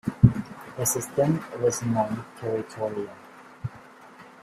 The system was non-territorial.